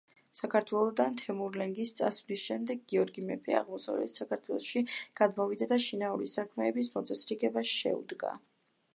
საქართველოდან თემურლენგის წასვლის შემდეგ გიორგი მეფე აღმოსავლეთ საქართველოში გადმოვიდა და შინაური საქმეების მოწესრიგებას შეუდგა.